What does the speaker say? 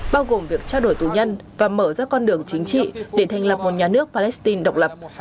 bao gồm việc trao đổi tù nhân và mở ra con đường chính trị để thành lập một nhà nước palestine độc lập